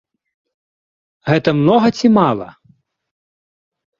Гэта многа ці мала?